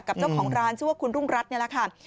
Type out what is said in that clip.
กับเจ้าของร้านชื่อว่าคุณรุ่งรัฐนี่แหละค่ะ